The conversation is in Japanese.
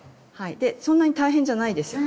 そんなに大変じゃないですよね？